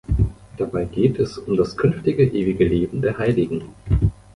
Dabei geht es um das „künftige ewige Leben der Heiligen“.